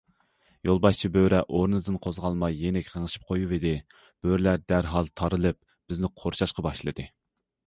يولباشچى بۆرە ئورنىدىن قوزغالماي يېنىك غىڭشىپ قويۇۋىدى، بۆرىلەر دەرھال تارىلىپ، بىزنى قورشاشقا باشلىدى.